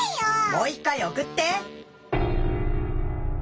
もう一回おくって！